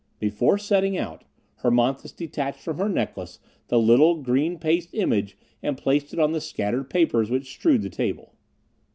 Before setting out, Hermonthis detached from her necklace the little green paste image and placed it on the scattered papers which strewed the table.